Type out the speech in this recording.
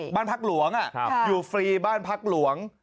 บ้านพักหลวงอยู่ฟรีบ้านพักหลวง